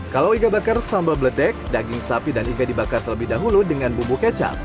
kalau iga bakar sambal bledek daging sapi dan iga dibakar terlebih dahulu dengan bumbu kecap